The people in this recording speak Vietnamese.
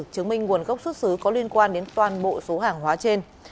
chứng minh nguồn gốc xuất xứ có liên quan đến toàn bộ số hàng hóa trên